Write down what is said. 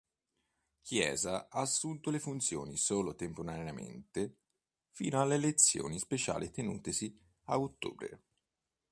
Chiesa ha assunto le funzioni solo temporaneamente, fino alle elezioni speciali tenutesi a ottobre.